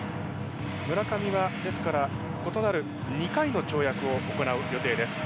村上は、異なる２回の跳躍を行う予定です。